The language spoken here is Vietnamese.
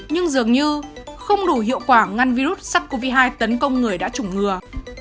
nhưng dường như không đủ hiệu quả ngăn virus sars cov hai tấn công người đã chủng ngừa